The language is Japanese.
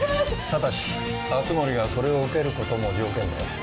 ただし熱護がそれを受けることも条件だよ。